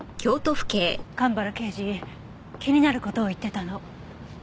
蒲原刑事気になる事を言ってたの。